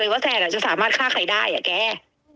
ว่าจะค่าการใต้อะแก